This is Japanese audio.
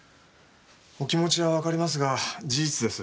お気持ちはわかりますが事実です。